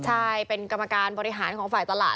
ใช่เป็นกรรมการบริหารของฝ่ายตลาด